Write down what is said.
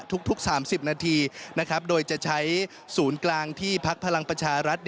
ทุก๓๐นาทีโดยจะใช้ศูนย์กลางที่พักพลังประชารัฐ